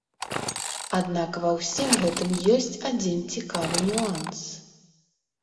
Аднак ва ўсім гэтым ёсць адзін цікавы нюанс.